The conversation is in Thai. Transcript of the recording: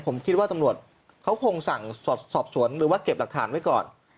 ผมคิดว่าตำรวจเขาคงสั่งสอบสวนหรือว่าเก็บหลักฐานไว้ก่อน